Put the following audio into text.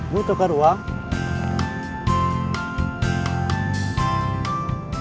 bu tukar uang